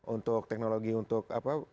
untuk teknologi untuk